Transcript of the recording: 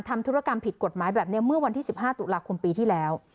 ธุรกรรมผิดกฎหมายแบบนี้เมื่อวันที่๑๕ตุลาคมปีที่แล้ว